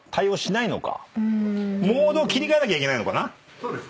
そうですね。